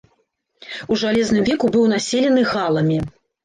У жалезным веку быў населены галамі.